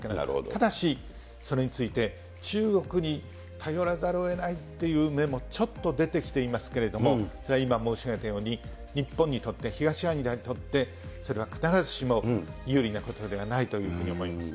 ただし、それについて、中国に頼らざるをえないという面もちょっと出てきていますけれども、それは今申し上げたように、日本にとって、東アジアにとって、それは必ずしも有利なことではないというふうに思います。